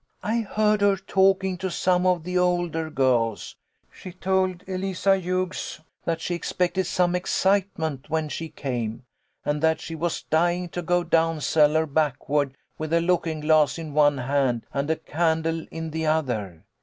I heard her talking to some of the older girls. She told Eliza Hughes that she expected some excitement when she came, and A HALLOWE'EN PARTY. I$5 that she was dying to go down cellar backward with a looking glass in one hand and a candle in the other.